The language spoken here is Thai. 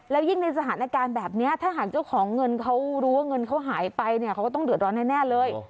แล้วยิ่งในสถานการณ์แบบนี้ถ้าหากเจ้าของเงินเขารู้ว่าเงินเขาหายไปเนี่ยเขาก็ต้องเดือดร้อนแน่เลย